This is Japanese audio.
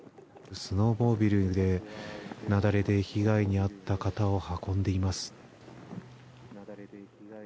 スノーモービルで雪崩に被害に遭った方を運んでいます。